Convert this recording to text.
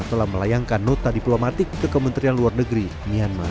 telah melayangkan nota diplomatik ke kementerian luar negeri myanmar